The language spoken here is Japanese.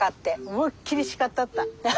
思いっ切り叱ったった！